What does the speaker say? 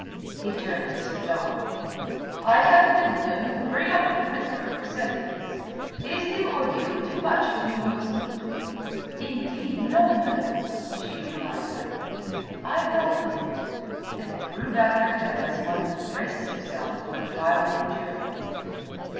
He turned to Sir John. "I have bidden them bring up the prisoner for sentence. Is the ordeal too much for you, Rosamund?" "Indeed, no, my lord," she replied readily. "I welcome it." And threw back her head as one who braces herself for a trial of endurance.